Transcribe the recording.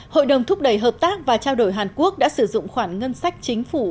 hội đồng thúc đẩy hợp tác và trao đổi hàn quốc đã sử dụng khoản ngân sách chính phủ